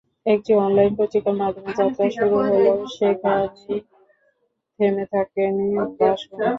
একটি অনলাইন পত্রিকার মাধ্যমে যাত্রা শুরু হলেও, সেখানেই থেমে থাকেনি বাসভূমি।